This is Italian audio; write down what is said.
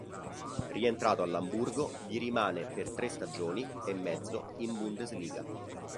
Rientrato all'Amburgo, vi rimane per tre stagioni e mezzo in Bundesliga.